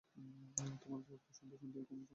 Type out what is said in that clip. তোমার তত্ত্ব শুনতে-শুনতে কান ঝালাপালা হয়ে গেছে।